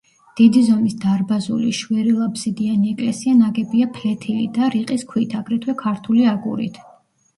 დიდი ზომის დარბაზული, შვერილაბსიდიანი ეკლესია ნაგებია ფლეთილი და რიყის ქვით, აგრეთვე ქართული აგურით.